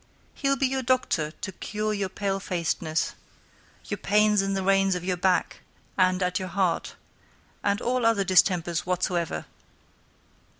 He'l be your Doctor to cure your palefac'dness, your pains in the reins of your back, and at your heart, and all other distempers whatsoever.